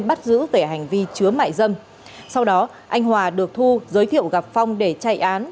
bắt giữ về hành vi chứa mại dâm sau đó anh hòa được thu giới thiệu gặp phong để chạy án